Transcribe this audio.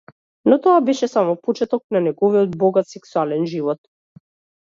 Но тоа беше само почеток на неговиот богат сексуален живот.